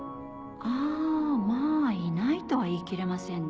あぁまぁいないとは言い切れませんね。